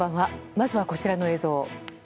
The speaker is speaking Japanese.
まずはこちらの映像。